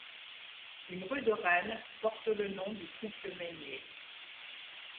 Une rue de Rennes porte le nom du couple Meynier.